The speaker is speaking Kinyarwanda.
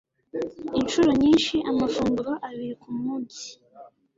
Inshuro nyinshi, amafunguro abiri ku munsi